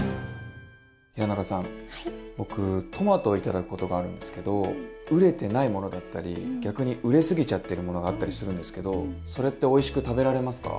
平仲さん僕トマトを頂くことがあるんですけど熟れてないものだったり逆に熟れすぎちゃってるものがあったりするんですけどそれっておいしく食べられますか？